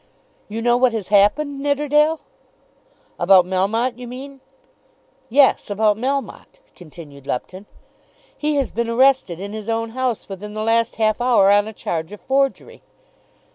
"You know what has happened, Nidderdale?" "About Melmotte, you mean?" "Yes, about Melmotte," continued Lupton. "He has been arrested in his own house within the last half hour on a charge of forgery."